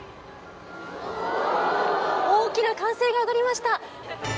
大きな歓声が上がりました。